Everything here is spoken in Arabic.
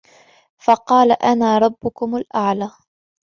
فَقَالَ أَنَا رَبُّكُمُ الْأَعْلَى